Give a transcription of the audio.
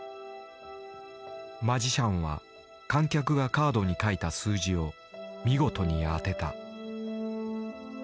マジシャンは観客がカードに書いた数字を見事に当てた。